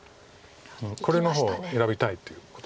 これの方を選びたいということです。